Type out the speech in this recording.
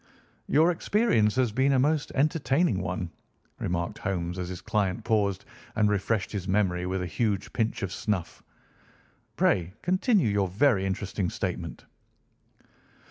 "Your experience has been a most entertaining one," remarked Holmes as his client paused and refreshed his memory with a huge pinch of snuff. "Pray continue your very interesting statement."